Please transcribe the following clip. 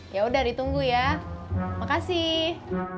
ya udah ditunggu ya makasih